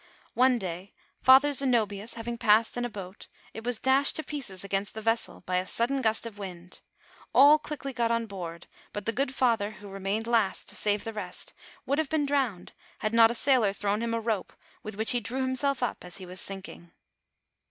One day Father Ze nobius having passed in a boat, it was dashed to pieces against the vessel by a sudden gust of wind. All quickly got on board, but the good father who remained last to save the rest, would have been drowned had not a sailor thrown him a rope, with which he drew himself up as he was sinking.